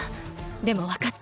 でもわかった。